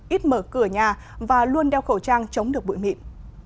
ít mở cửa nhà và luôn đeo khẩu trang chống được bụi mịn